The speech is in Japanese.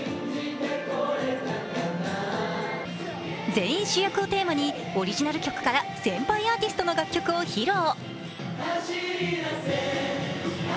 全員主役をテーマに、オリジナル曲から先輩アーティストの楽曲を披露。